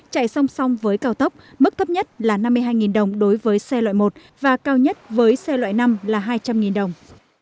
chạy song song với cao tốc mức thấp nhất là năm mươi hai đồng đối với xe loại một và cao nhất với xe loại năm là hai trăm linh đồng